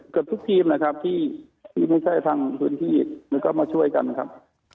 เกือบทุกทีมนะครับที่ไม่ใช่ทางพื้นที่แล้วก็มาช่วยกันนะครับ